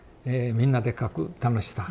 みんなで描く楽しさ。